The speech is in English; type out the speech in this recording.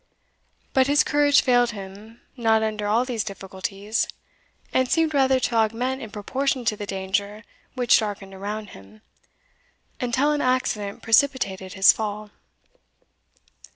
But his courage failed him not under all these difficulties, and seemed rather to augment in proportion to the danger which darkened around him, until an accident precipitated his fall.